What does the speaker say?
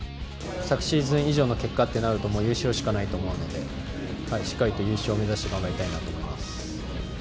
昨シーズン以上の結果というともう優勝しかないと思うんで、しっかりと優勝を目指して頑張りたいと思います。